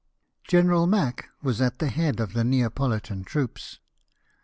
General Mack was at the head of the Neapolitan troops.